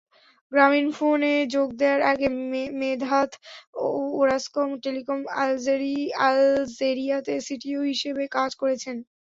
গ্রামীণফোনে যোগ দেয়ার আগে মেদহাত ওরাসকম টেলিকম আলজেরিয়াতে সিটিও হিসেবে কাজ করেছেন।